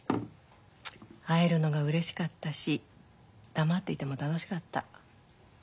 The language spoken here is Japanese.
会えるのがうれしかったし黙っていても楽しかった。